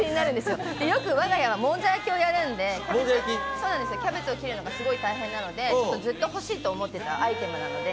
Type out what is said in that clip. よく我が家はもんじゃ焼きをやるんで、キャベツを切るのが大変なのでずっと欲しいと思っていたアイテムなので。